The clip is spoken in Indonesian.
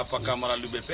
apakah melalui bpnt atau pkh